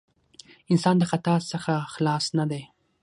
انسان د خطاء څخه خلاص نه دی.